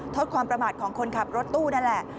โทษความประมาทของคนขับรถตู้นั่นแหละ